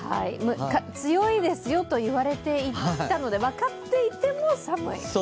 強いですよと言われていたので分かっていても、寒い。